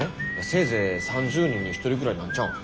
せいぜい３０人に１人ぐらいなんちゃうん。